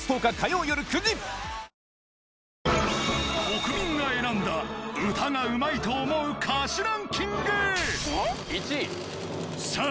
国民が選んだ歌がうまいと思う歌手ランキングさぁ